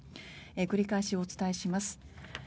繰り返しお伝えします。